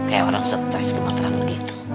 kayak orang stress gemetaran gitu